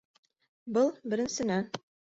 Был - беренсенән.